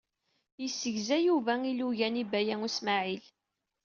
Yessegza Yuba ilugan i Baya U Smaɛil.